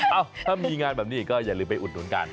เอ้าถ้ามีงานแบบนี้ก็อย่าลืมไปอุดหนุนกัน